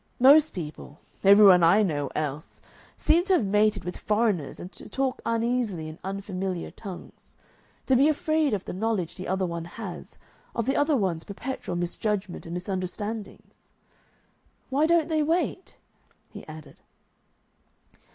Most people, every one I know else, seem to have mated with foreigners and to talk uneasily in unfamiliar tongues, to be afraid of the knowledge the other one has, of the other one's perpetual misjudgment and misunderstandings. "Why don't they wait?" he added.